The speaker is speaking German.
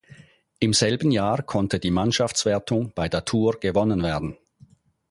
Im selben Jahr konnte die Mannschaftswertung bei der Tour gewonnen werden.